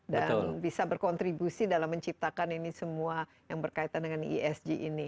dan bisa berkontribusi dalam menciptakan ini semua yang berkaitan dengan esg ini